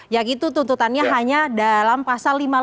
yang itu tuntutannya hanya dalam pasal lima puluh lima